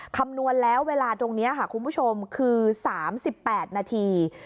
คำนวณแล้วเวลาตรงนี้ค่ะคุณผู้ชมคือ๓๘นาที